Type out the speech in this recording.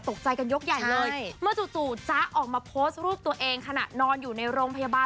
ตกใจกันยกใหญ่เลยเมื่อจู่จ๊ะออกมาโพสต์รูปตัวเองขณะนอนอยู่ในโรงพยาบาล